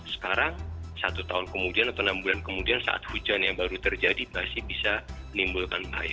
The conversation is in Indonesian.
sekarang satu tahun kemudian atau enam bulan kemudian saat hujan yang baru terjadi masih bisa menimbulkan bahaya